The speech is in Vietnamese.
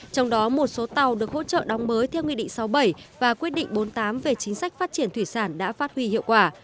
trong đó một số tàu được hỗ trợ đóng mới theo nghị định sáu mươi bảy và quyết định bốn mươi tám về chính sách phát triển thủy sản đã phát huy hiệu quả